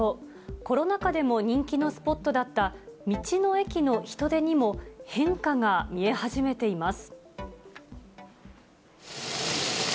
コロナ禍でも人気のスポットだった道の駅の人出にも変化が見え始めています。